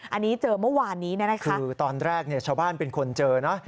อันนี้เจอเมื่อวานนี้นะคะคือตอนแรกเนี่ยชาวบ้านเป็นคนเจอนะ